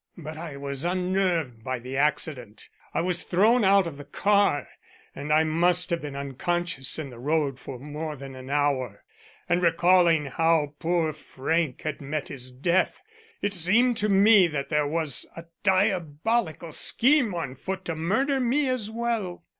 But I was unnerved by the accident. I was thrown out of the car and I must have been unconscious in the road for more than an hour. And, recalling how poor Frank had met his death, it seemed to me that there was a diabolical scheme on foot to murder me as well.